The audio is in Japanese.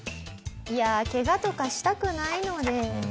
いやケガとかしたくないので。